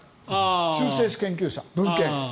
中世史研究者、文献。